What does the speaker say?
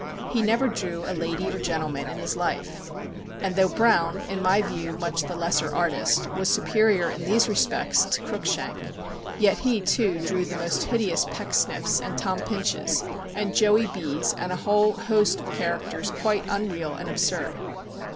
He never drew a lady or gentleman in his life. And though Browne, in my view much the lesser artist, was superior in these respects to Cruikshank, yet he too drew the most hideous Pecksniffs, and Tom Pinches, and Joey B.'s, and a whole host of characters quite unreal and absurd.